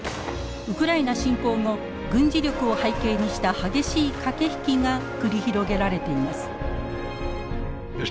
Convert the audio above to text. ウクライナ侵攻後軍事力を背景にした激しい駆け引きが繰り広げられています。